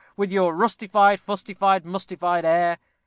_With your rustified, fustified, mustified air!